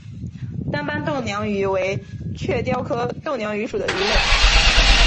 单斑豆娘鱼为雀鲷科豆娘鱼属的鱼类。